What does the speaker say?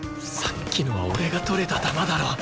さっきのは俺が取れた球だろ！